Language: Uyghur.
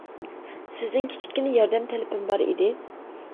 سىزدىن كىچىككىنە ياردەم تەلىپىم بار ئىدى.